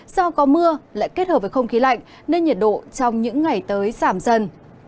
do có mưa lại kết hợp với không khí lạnh nên nhiệt độ trong những ngày tới giảm dần